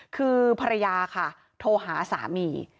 คือภรรยาค่ะโทรหาสามี